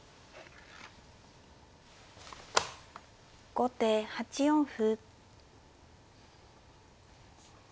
後手８四歩。